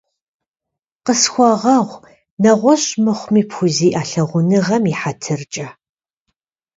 Къысхуэгъэгъу, нэгъуэщӀ мыхъуми, пхузиӀа лъагъуныгъэм и хьэтыркӀэ.